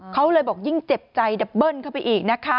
เขาเลยบอกยิ่งเจ็บใจดับเบิ้ลเข้าไปอีกนะคะ